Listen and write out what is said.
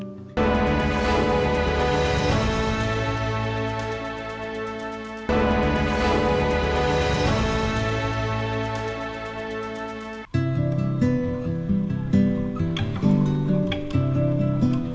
kita yang mereka tawaran